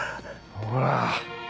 ほら。